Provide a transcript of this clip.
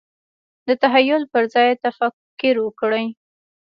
د تحلیل پر ځای تکفیر وکړي.